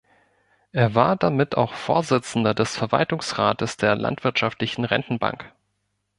Er war damit auch Vorsitzender des Verwaltungsrates der Landwirtschaftlichen Rentenbank.